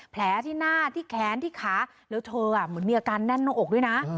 แผลที่หน้าที่แค้นที่ขาแล้วเธอเหมือนมีอาการแน่นหน้าอกด้วยนะ